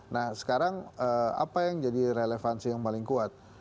nah sekarang apa yang jadi relevansi yang paling kuat